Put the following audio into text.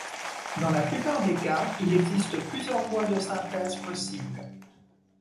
Dans la plupart des cas, il existe plusieurs voies de synthèse possibles.